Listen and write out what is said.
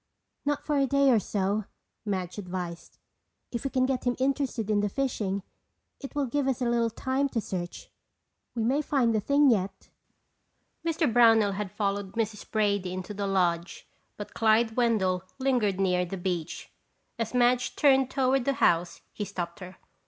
"Not for a day or so," Madge advised. "If we can get him interested in the fishing it will give us a little time to search. We may find the thing yet." Mr. Brownell had followed Mrs. Brady into the lodge but Clyde Wendell lingered near the beach. As Madge turned toward the house he stopped her.